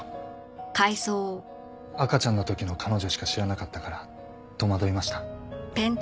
赤ちゃんの時の彼女しか知らなかったから戸惑いました。